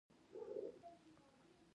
احمد د مور خدمت کړی.